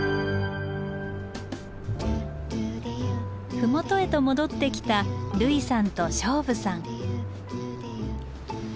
麓へと戻ってきた類さんと菖蒲さん。